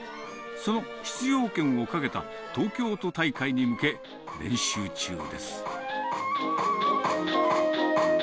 その出場権をかけた東京都大会に向け、練習中です。